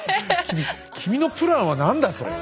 君君のプランは何だそれ。